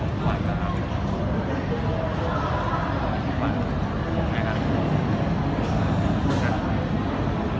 ของหวานดีนะครับ